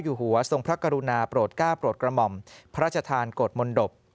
อยู่หัวทรงพระกรุณาโปรดก้าวโปรดกระหม่อมพระราชทานกฎมนตบ